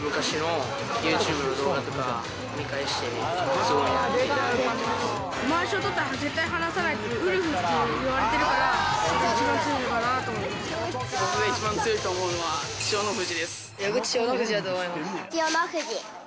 昔のユーチューブの動画とか見返して、すごいなって思ってままわしを取ったら、絶対に離さないっていう、ウルフって言われてるから、一番強いの僕が一番強いと思うのは、僕、千代の富士だと思います千代の富士。